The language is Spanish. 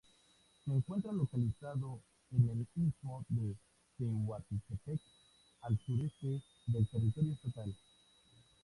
Se encuentra localizado en el istmo de Tehuantepec al sureste del territorio estatal.